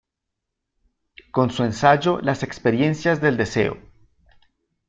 Con su ensayo "Las experiencias del deseo.